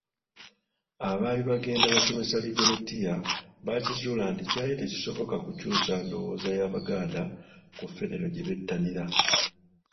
Abaali bagenda basomesa Regional Tier baakizuula nti kyali tekisoboka kukyusa ndowooza y’Abaganda ku Federo gye bettanira.